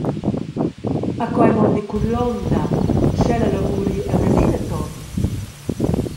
E co ei mondi cun l’onda, sch’ella lavuri aunc adina ton.